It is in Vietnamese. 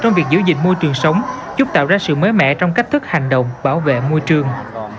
trong việc giữ gìn môi trường sống giúp tạo ra sự mới mẻ trong cách thức hành động bảo vệ môi trường